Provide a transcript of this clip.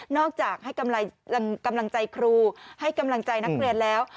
จากให้กำลังใจครูให้กำลังใจนักเรียนแล้ว